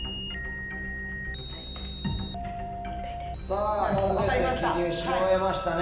さぁ全て記入し終えましたね。